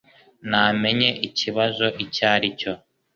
Namenye ikibazo icyo aricyo